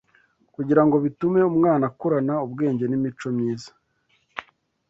kugira ngo bitume umwana akurana ubwenge n’imico myiza